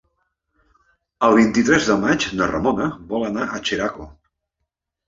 El vint-i-tres de maig na Ramona vol anar a Xeraco.